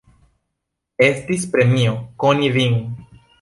Estis premio koni vin.